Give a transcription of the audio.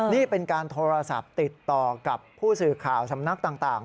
นี่เป็นการโทรศัพท์ติดต่อกับผู้สื่อข่าวสำนักต่าง